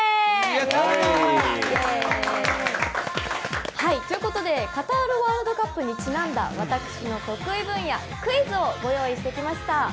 やった！ということでカタールワールドカップにちなんだ私の得意分野クイズをご用意してきました。